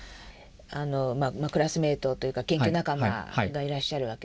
クラスメ−トというか研究仲間がいらっしゃるわけですよね。